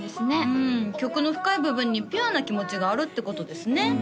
うん曲の深い部分にピュアな気持ちがあるってことですね